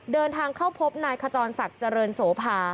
เดินทางเข้าพบนายขจรศักดิ์เจริญโสภา